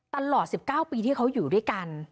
ตลอด๑๙ปีที่เขาอยู่ด้วยกัน